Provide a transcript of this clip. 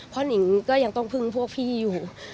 เพราะนิงก็ยังต้องพึ่งพวกพี่อยู่